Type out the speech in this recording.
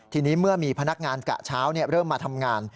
ทีนี้เมื่อมีพนักงานกะเช้าเริ่มมาทำงาน